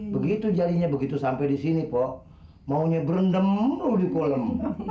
begitu jadinya begitu sampai di sini pok maunya berendam